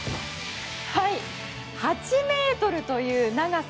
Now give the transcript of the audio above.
８ｍという長さ。